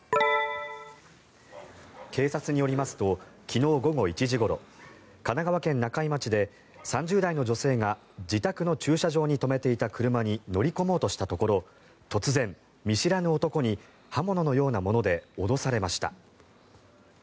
警察によりますと昨日午後１時ごろ神奈川県中井町で３０代の女性が自宅の駐車場に止めていた車に乗り込もうとしたところ突然、見知らぬ男に刃物のようなもので脅されました。